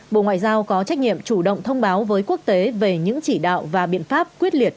bộ ngoại giao có trách nhiệm chủ động thông báo với quốc tế về những chỉ đạo và biện pháp quyết liệt